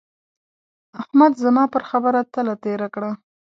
احمد زما پر خبره تله تېره کړه.